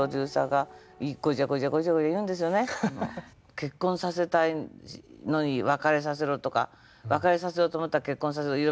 結婚させたいのに別れさせろとか別れさせようと思ったら結婚させる。